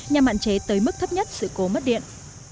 nhằm hạn chế tới mức thấp nhất sự cố mất điện